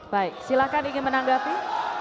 baik silahkan ingin menanggapi